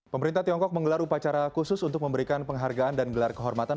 pemerintah tiongkok menggelar upacara khusus untuk memberikan penghargaan dan gelar kehormatan